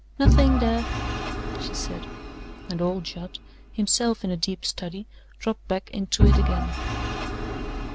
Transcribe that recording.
"Nothin', dad," she said, and old Judd, himself in a deep study, dropped back into it again.